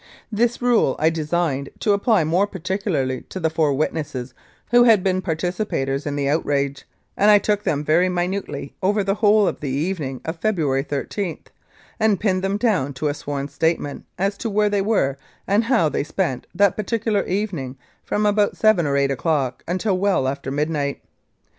This rule I designed to apply more particularly to the four witnesses who had been participators in the outrage, and I took them very minutely over the whole of the evening of February 13, and pinned them down to a sworn statement as to where they were and how they spent that particular evening from about seven or eight o'clock until well after midnight.